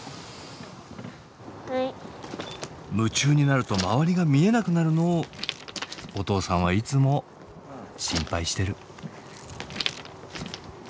夢中になると周りが見えなくなるのをお父さんはいつも心配してる。